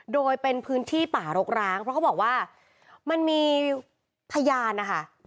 โดยเป็นพื้นที่ป่ารกร้างเพราะเขาบอกว่ามันมีพยานนะคะ